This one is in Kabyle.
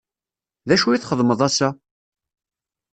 D acu i txedmeḍ ass-a?